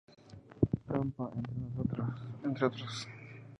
Campa, entre otros.